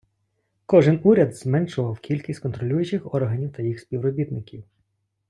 Кожен Уряд зменшував кількість контролюючих органів та їх співробітників.